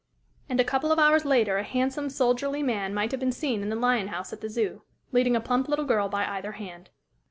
And a couple of hours later a handsome, soldierly man might have been seen in the lion house at the Zoo, leading a plump little girl by either hand.